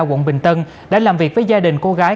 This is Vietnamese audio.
quận bình tân đã làm việc với gia đình cô gái